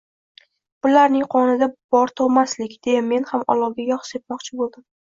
Bularning qonida bor tug`maslik, deya men ham olovga yog` sepmoqchi bo`ldim